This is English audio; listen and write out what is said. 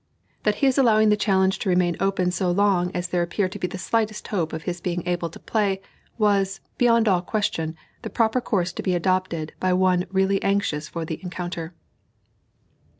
That his allowing the challenge to remain open so long as there appeared the slightest hope of his being able to play, was, beyond all question, the proper course to be adopted by one really anxious for the encounter."